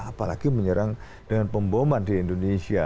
apalagi menyerang dengan pemboman di indonesia